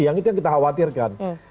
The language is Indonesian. yang itu yang kita khawatirkan